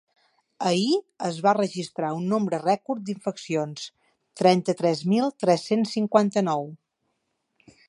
Ahir es va registrar un nombre rècord d’infeccions: trenta-tres mil tres-cents cinquanta-nou.